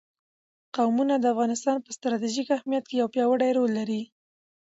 قومونه د افغانستان په ستراتیژیک اهمیت کې یو پیاوړی رول لري.